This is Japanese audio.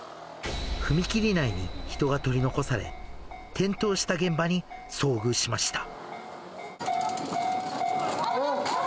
踏切内に人が取り残され、転倒した現場に遭遇しました。